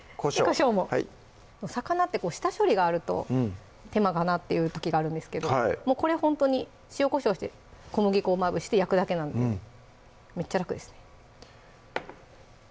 こしょうも魚って下処理があると手間かなっていう時があるんですけどもうこれほんとに塩・こしょうして小麦粉をまぶして焼くだけなんでめっちゃ楽ですね